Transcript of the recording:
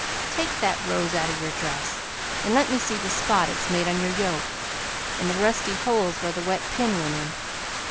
Take that rose out o' your dress and let me see the spot it's made on your yoke, an' the rusty holes where the wet pin went in.